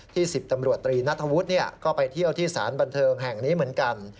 ๑๐ตำรวจตรีนัทธวุฒิก็ไปเที่ยวที่สารบันเทิงแห่งนี้เหมือนกัน